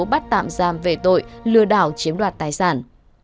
bắt tạm giam về tội lừa đảo chiếm đoạt tài sản